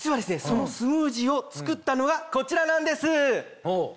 そのスムージーを作ったのがこちらなんです！